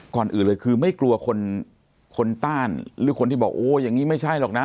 ก่อนอื่นเลยคือไม่กลัวคนคนต้านหรือคนที่บอกโอ้อย่างนี้ไม่ใช่หรอกนะ